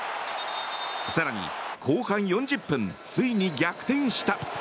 更に、後半４０分ついに逆転した。